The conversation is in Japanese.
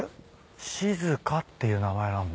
「しづか」っていう名前なんだ。